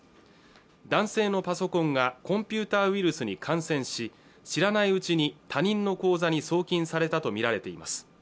男性のパソコンがコンピューターウイルスに感染し知らないうちに他人の口座に送金されたと見られています